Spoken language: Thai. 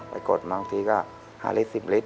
ไปกดบางทีก็๕๑๐ฤ